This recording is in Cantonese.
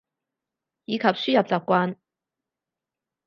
以及輸入習慣